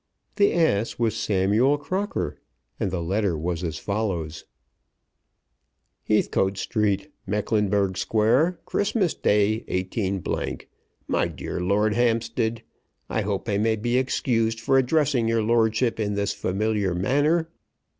The ass was Samuel Crocker, and the letter was as follows; Heathcote Street, Mecklenburg Square, Christmas Day, 18 . MY DEAR LORD HAMPSTEAD, I hope I may be excused for addressing your lordship in this familiar manner.